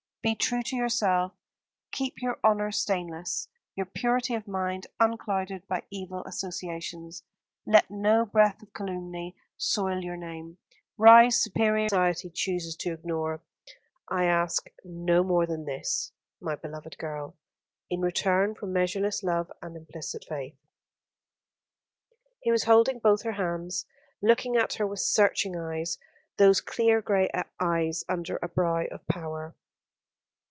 Be true to yourself, keep your honour stainless, your purity of mind unclouded by evil associations. Let no breath of calumny soil your name. Rise superior to the ruck of your friends, and have no dealings with the lost women whose guilt Society chooses to ignore. I ask no more than this, my beloved girl, in return for measureless love and implicit faith." He was holding both her hands, looking at her with searching eyes; those clear grey eyes under a brow of power.